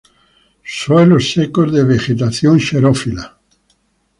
Suelos secos de vegetación xerófila.